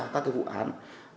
các vụ án